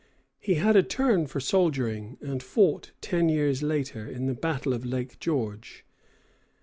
He had a turn for soldiering, and fought, ten years later, in the battle of Lake George.